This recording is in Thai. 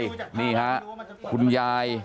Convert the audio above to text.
สวัสดีครับคุณผู้ชาย